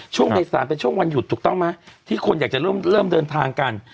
ช่วงไทยสารเป็นช่วงวันหยุดถูกต้องไหมที่คนอยากจะเริ่มเริ่มเดินทางกัน